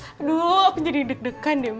aduh aku jadi deg degan ya